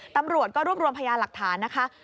ตำรวจก็รวบรวมพยาหลักฐานนะคะ